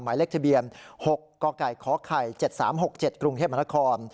หมายเลขทะเบียน๖กกขไข่๗๓๖๗กรุงเทพมนาคม